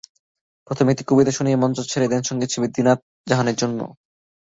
প্রথমে একটি কবিতা শুনিয়ে মঞ্চ ছেড়ে দেন সংগীতশিল্পী দিনাত জাহানের জন্য।